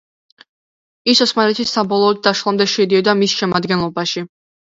ის ოსმალეთის საბოლოოდ დაშლამდე შედიოდა მის შემადგენლობაში.